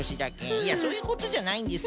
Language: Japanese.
いやそういうことじゃないんです。